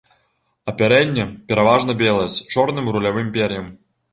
Апярэнне пераважна белае з чорным рулявым пер'ем.